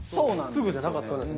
すぐじゃなかったんですね。